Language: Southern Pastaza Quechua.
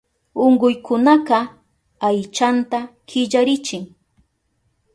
Unkuykunaka aychanta killarichin.